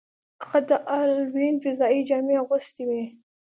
هغه د هالووین فضايي جامې اغوستې وې